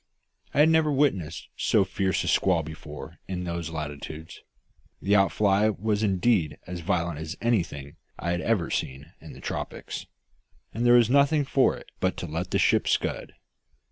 I had never witnessed so fierce a squall before in those latitudes; the outfly was indeed as violent as anything I had ever seen in the tropics; and there was nothing for it but to let the ship scud.